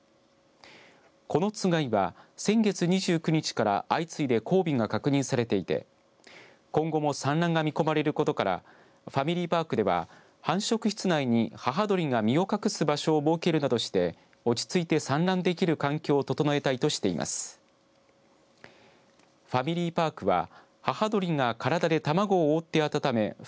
このつがいは先月２９日から相次いで交尾が確認されていて今後も産卵が見込まれることからファミリーパークでは繁殖室内に母鳥が身を隠す場所を設けるなどして落ち着いて産卵できる環境を整えたいとしています。